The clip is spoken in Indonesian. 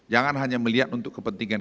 jangan hanya melihat untuk kepentingan